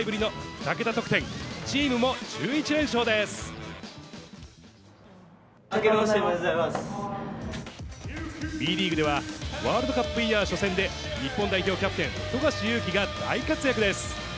あけましておめでとうございＢリーグでは、ワールドカップイヤー初戦で日本代表キャプテン、富樫勇樹が大活躍です。